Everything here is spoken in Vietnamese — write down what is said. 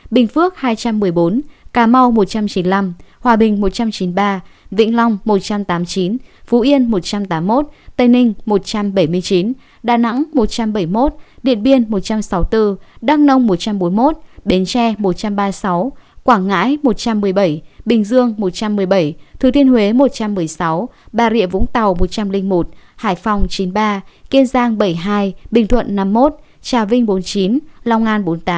hai trăm ba mươi chín bình phước hai trăm một mươi bốn cà mau một trăm chín mươi năm hòa bình một trăm chín mươi ba vĩnh long một trăm tám mươi chín phú yên một trăm tám mươi một tây ninh một trăm bảy mươi chín đà nẵng một trăm bảy mươi một điện biên một trăm sáu mươi bốn đăng nông một trăm bốn mươi một bến tre một trăm ba mươi sáu quảng ngãi một trăm một mươi bảy bình dương một trăm một mươi bảy thứ thiên huế một trăm một mươi sáu bà rịa vũng tàu một trăm linh một hải phòng chín mươi ba kiên giang bảy mươi hai bình thuận năm mươi một trà vinh bốn mươi chín lòng an